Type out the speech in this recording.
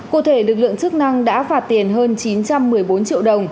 cụ thể lực lượng chức năng đã phạt tiền hơn chín trăm một mươi bốn triệu đồng